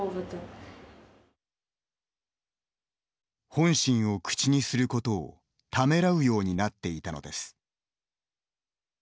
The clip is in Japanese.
本心を口にすることをためらうようになっていたのです。